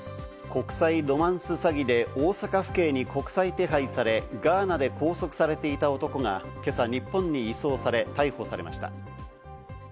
国際ロマンス詐欺で大阪府警に国際手配され、ガーナで拘束されていた男が今朝、日本に移送され逮捕されました。